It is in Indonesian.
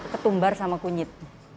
ketumbar sama kunyit